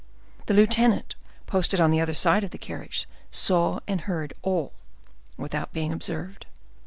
The lieutenant, posted on the other side of the carriage, saw and heard all without being observed.